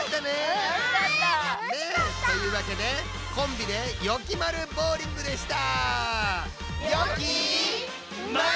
うんたのしかった！というわけで「コンビでよきまるボウリング！」でした！